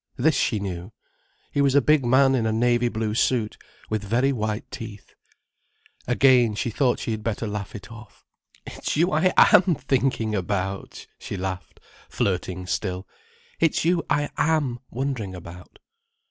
This she knew. He was a big man in a navy blue suit, with very white teeth. Again she thought she had better laugh it off. "It's you I am thinking about," she laughed, flirting still. "It's you I am wondering about."